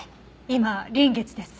今臨月です。